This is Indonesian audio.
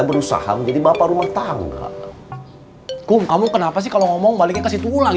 berusaha menjadi bapak rumah tangga kum kamu kenapa sih kalau ngomong baliknya ke situ lagi